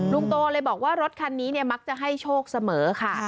ลุงโตเลยบอกว่ารถคันนี้มักจะให้โชคเสมอค่ะ